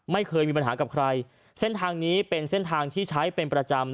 ไม่เคยมีปัญหากับใครเส้นทางนี้เป็นเส้นทางที่ใช้เป็นประจำ